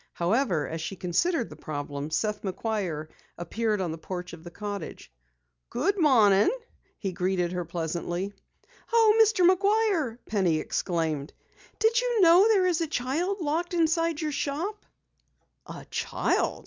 However, as she considered the problem, Seth McGuire appeared on the porch of the cottage. "Good morning," he greeted her pleasantly. "Oh, Mr. McGuire!" Penny exclaimed. "Did you know there is a child locked inside your shop?" "A child!"